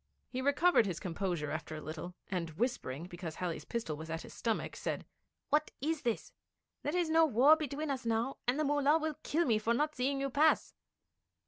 He recovered his composure after a little, and whispering, because Halley's pistol was at his stomach, said: 'What is this? There is no war between us now, and the Mullah will kill me for not seeing you pass!'